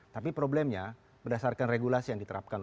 tapi problemnya berdasarkan regulasi yang diterapkan